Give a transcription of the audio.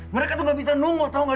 mereka tuh nggak bisa nunggu tahu nggak